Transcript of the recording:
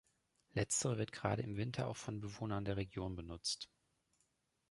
Letztere wird gerade im Winter auch von Bewohnern der Region genutzt.